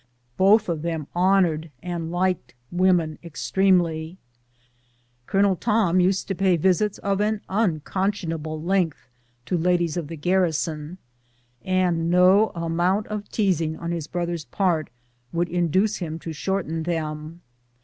Both of them honored and liked women extremely. Colonel Tom used to pay visits of an unconscionable lengtli to ladies of the garrison, and no amount of teasing on his broth er's part would induce him to shorten them.